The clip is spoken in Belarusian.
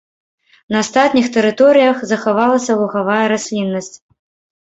На астатніх тэрыторыях захавалася лугавая расліннасць.